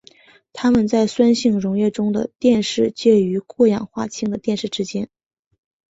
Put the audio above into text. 它们在酸性溶液中的电势介于过氧化氢的电势之间。